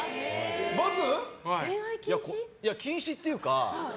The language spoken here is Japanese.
いや、禁止っていうか。